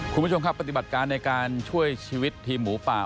คุณผู้ชมครับปฏิบัติการในการช่วยชีวิตทีมหมูป่า